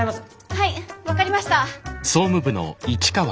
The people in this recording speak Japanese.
はい分かりました。